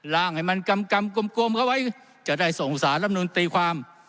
งให้มันกำกลมเข้าไว้จะได้ส่งสารลำนูนตีความ